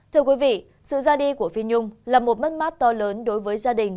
thưa quý vị sự ra đi của phi nhung là một mất mát to lớn đối với gia đình